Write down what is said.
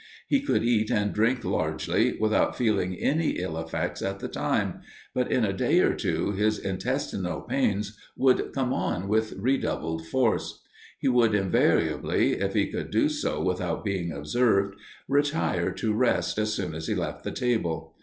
He could eat and drink largely without feeling any ill effects at the time, but in a day or two his intestinal pains would come on with redoubled force. He would invariably, if he could do so without being observed, retire to rest as soon as he left the table.